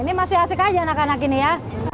ini masih asik aja anak anak ini ya